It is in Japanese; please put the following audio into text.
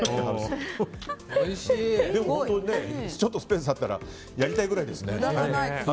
でもちょっとスペースがあったらやりたいくらいですね。